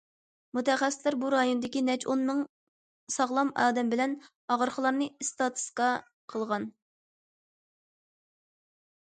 مۇتەخەسسىسلەر بۇ رايوندىكى نەچچە ئون مىڭ ساغلام ئادەم بىلەن ئاغرىقلارنى ئىستاتىستىكا قىلغان.